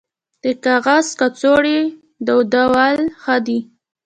د کاغذ کڅوړې دودول ښه دي